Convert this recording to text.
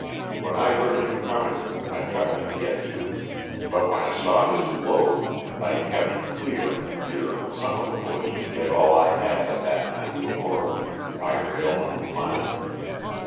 When I heard him coming I tried to get to him, but when I saw his load I kept clear for fear some of the boys would get all I had at that time in the world — my rail and plank.